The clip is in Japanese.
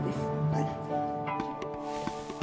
はい。